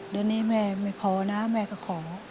เดือนนี้ไม่พอนะแม่ก็ขอ